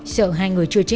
sợ hai người chưa chết